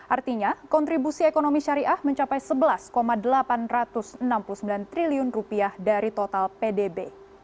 artinya kontribusi ekonomi syariah mencapai rp sebelas delapan ratus enam puluh sembilan triliun dari total pdb